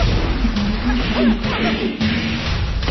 იგი გარედან შიდა მოხაზულობას იმეორებს.